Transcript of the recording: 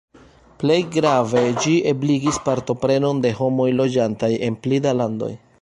Plej grave ĝi ebligis partoprenon de homoj loĝantaj en pli da landoj.